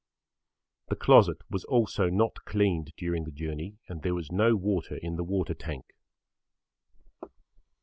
The closet was also not cleaned during the journey and there was no water in the water tank.